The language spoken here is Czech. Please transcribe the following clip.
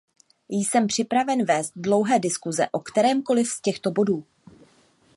Jsem připraven vést dlouhé diskuse o kterémkoli z těchto bodů.